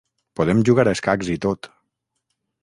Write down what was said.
Podem jugar a escacs i tot.